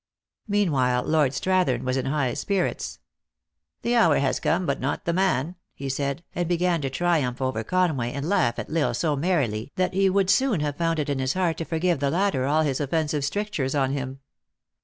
Meanwhile Lord Strathern was in high spirits. "The hour has come, but not the man !" he said, and began to triumph over Conway, and laugh at L Isle so merrily, that he w^ould have soon found it in his heart to forgive the latter all his offensive strictures on him.